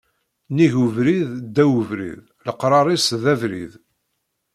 Nnig ubrid, ddaw ubrid, leqrar-is d abrid